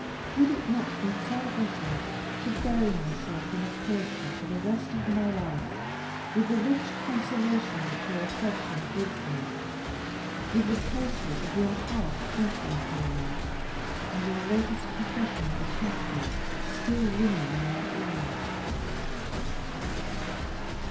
Would it not be far better to bury myself in a cloister for the rest of my life, with the rich consolation that your affection gives me, with the pulses of your heart beating for me, and your latest confession of attachment still ringing in my ears?"